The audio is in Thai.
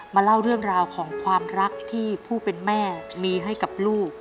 เล่าเรื่องราวของความรักที่ผู้เป็นแม่มีให้กับลูก